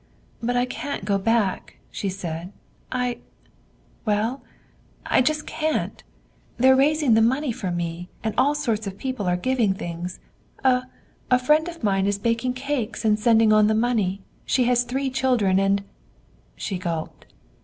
"But I can't go back," she said. "I well, I just can't. They're raising the money for me, and all sorts of people are giving things. A a friend of mine is baking cakes and sending on the money. She has three children, and " She gulped.